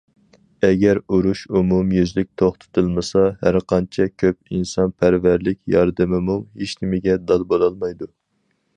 ئەگەر ئۇرۇش ئومۇميۈزلۈك توختىتىلمىسا، ھەرقانچە كۆپ ئىنسانپەرۋەرلىك ياردىمىمۇ ھېچنېمىگە دال بولالمايدۇ.